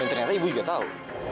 ternyata ibu juga tahu